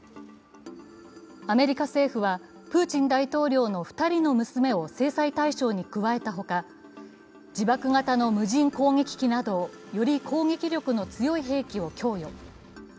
アメリカ政府は、プーチン大統領の２人の娘を制裁対象に加えたほか、自爆型の無人攻撃機などより攻撃力の強い兵器を供与。